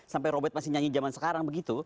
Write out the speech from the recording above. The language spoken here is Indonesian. sampai robert pasti nyanyi zaman sekarang begitu